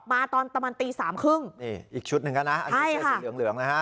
มาตอนตะวันตีสามครึ่งนี่อีกชุดหนึ่งอ่ะนะใช่ค่ะอันนี้ใช้สีเหลืองเหลืองนะฮะ